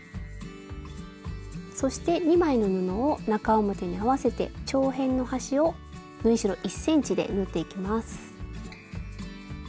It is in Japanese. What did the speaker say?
そして２枚の布を中表に合わせて長辺の端を縫い代１ｃｍで縫っていきます。